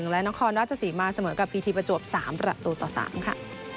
และน้องคอนว่าจะสีมาเสมอกับพีทีประจวบ๓ประตูต่อ๓ค่ะ